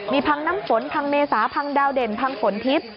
มีพังน้ำฝนพังเมษาพังดาวเด่นพังฝนทิพย์